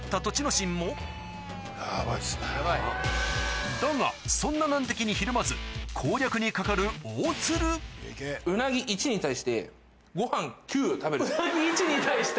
心もだがそんな難敵にひるまず攻略にかかる大鶴うなぎ１に対してご飯９？１に対して。